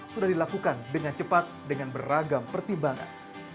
sudah dilakukan dengan cepat dengan beragam pertimbangan